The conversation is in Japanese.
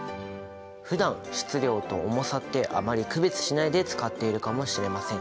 ふだん質量と重さってあまり区別しないで使っているかもしれません。